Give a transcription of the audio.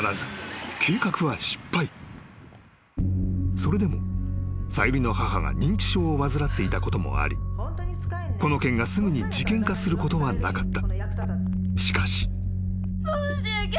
［それでもさゆりの母が認知症を患っていたこともありこの件がすぐに事件化することはなかった］